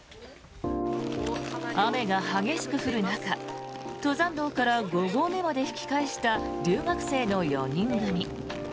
雨が激しく降る中登山道から５合目まで引き返した留学生の４人組。